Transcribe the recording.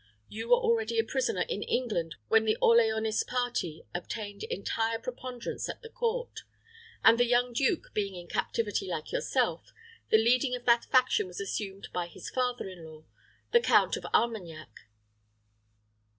You were already a prisoner in England when the Orleanist party obtained entire preponderance at the court, and the young duke being in captivity like yourself, the leading of that faction was assumed by his father in law, the Count of Armagnac.